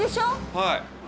はい。